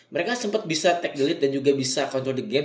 mereka sempet bisa take the lead dan juga bisa control the game